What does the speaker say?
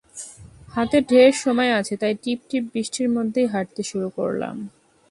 হাতে ঢের সময় আছে, তাই টিপ টিপ বৃষ্টির মধ্যেই হাঁটতে শুরু করলাম।